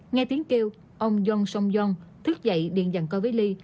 nghe tiếng kêu ông yong song yong thức dậy điện dặn coi với lee